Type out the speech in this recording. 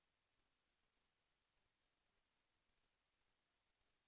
แสวได้ไงของเราก็เชียนนักอยู่ค่ะเป็นผู้ร่วมงานที่ดีมาก